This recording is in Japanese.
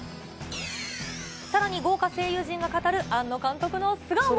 さらに豪華声優陣が語る庵野監督の素顔も。